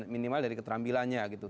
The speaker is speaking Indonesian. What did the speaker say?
minimal dari keterampilannya gitu